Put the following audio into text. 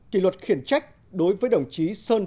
kỷ luật khiển trách